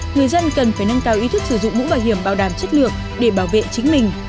người dân cần phải nâng cao ý thức sử dụng mũ bảo hiểm bảo đảm chất lượng để bảo vệ chính mình